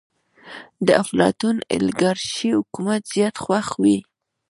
د افلاطون اليګارشي حکومت زيات خوښ وي.